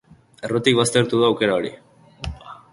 Errotik baztertu du aukera hori.